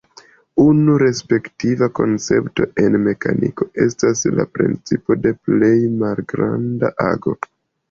Unu respektiva koncepto en mekaniko estas la principo de plej malgranda ago.